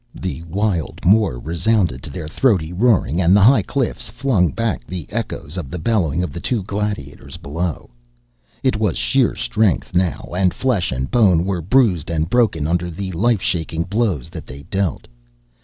The wild moor resounded to their throaty roaring and the high cliffs flung back the echoes of the bellowing of the two gladiators below. It was sheer strength now and flesh and bone were bruised and broken under the life shaking blows that they dealt.